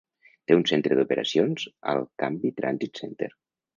Té un centre d'operacions al Canby Transit Center.